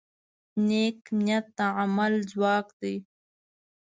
نیک نیت د عمل ځواک دی.